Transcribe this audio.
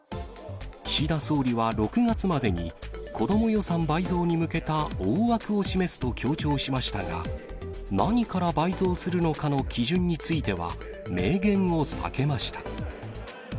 岸田総理は６月までに、子ども予算倍増に向けた大枠を示すと強調しましたが、何から倍増するのかの基準については、明言を避けました。